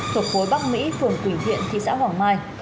thuộc phối bắc mỹ phường quỳnh thiện thị xã hoàng mai